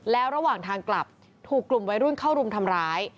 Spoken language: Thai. แล้วระหว่างทางกลับถูกกลุ่มวัยรุ่นเข้ารุมทำร้าย